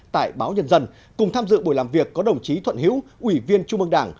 tại báo nhân dân cùng tham dự buổi làm việc có đồng chí thuận hiễu ủy viên trung ương đảng